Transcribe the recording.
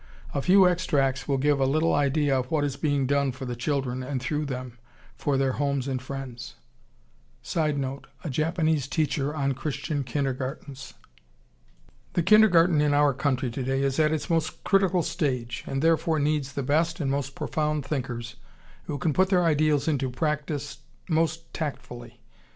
A few extracts will give a little idea of what is being done for the children and through them for their homes and friends. [Sidenote: A Japanese teacher on Christian kindergartens.] The kindergarten in our country today is at its most critical stage, and therefore needs the best and most profound thinkers who can put their ideals into practice most tactfully.